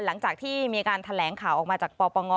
หลังจากที่มีการแถลงข่าวออกมาจากปปง